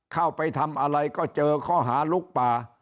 เข้าไปทำอะไรก็เจอข้อหาลุกป่า